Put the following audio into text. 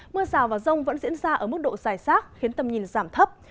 mưa rào và rông vẫn diễn ra ở mức độ dài sát khiến tầm nhìn giảm thấp